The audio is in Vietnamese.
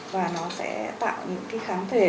và nó sẽ tạo những cái kháng thể